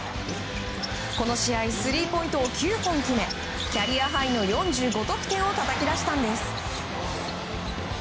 この試合スリーポイントを９本決めキャリアハイの４５得点をたたき出したんです。